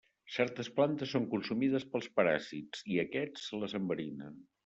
Certes plantes són consumides pels paràsits i aquests les enverinen.